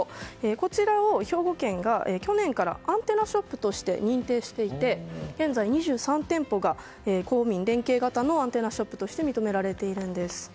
こちらを兵庫県が去年からアンテナショップとして認定していて現在２３店舗が公民連携型のアンテナショップとして認められているんです。